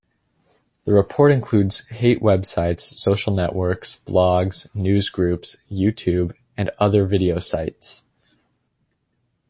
The report includes hate websites, social networks, blogs, newsgroups, YouTube and other video sites.